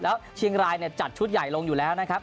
แล้วเชียงรายเนี่ยจัดชุดใหญ่ลงอยู่แล้วนะครับ